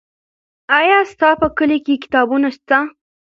آیا ستا په کلي کې کتابتون سته؟